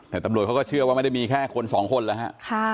แต่ตำรวจเขาก็เชื่อว่าไม่ได้มีแค่คนสองคนแล้วฮะ